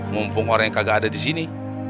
mumpung orang yang kagak ada disini